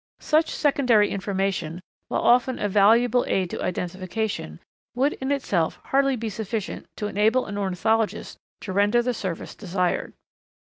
Such secondary information, while often a valuable aid to identification, would in itself hardly be sufficient to enable an ornithologist to render the service desired.